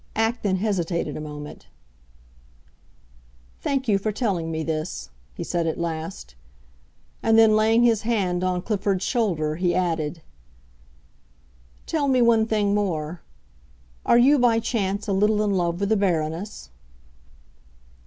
Acton hesitated a moment. "Thank you for telling me this," he said at last. And then, laying his hand on Clifford's shoulder, he added, "Tell me one thing more: are you by chance a little in love with the Baroness?"